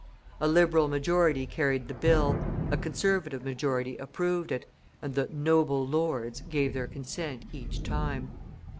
A Liberal majority carried the bill, a Conservative majority approved it, and the "Noble Lords" gave their consent each time.